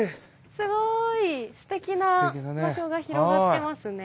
すてきな場所が広がってますね。